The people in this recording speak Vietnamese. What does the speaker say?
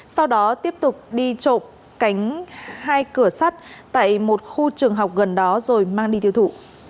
sau đó tiếp tục đi trộm cánh hai cửa sắt tại một khu trường học gần đó rồi mang đi tiêu thụ